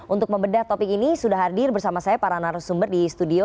untuk membedah topik ini sudah hadir bersama saya para narasumber di studio